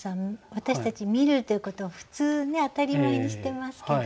私たち「見る」ということを普通ね当たり前にしてますけども。